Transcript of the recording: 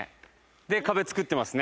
で壁作ってますね。